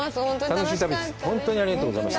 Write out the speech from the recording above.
ありがとうございます。